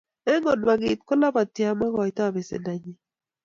eng konwagit ko lapati amakoito pesendo nyi